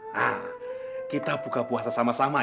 nah kita buka puasa sama sama